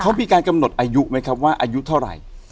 เขามีการกำหนดอายุไหมครับว่าอายุเท่าไหร่